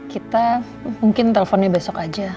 kita mungkin teleponnya besok aja